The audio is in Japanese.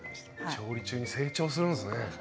調理中に成長するんですね。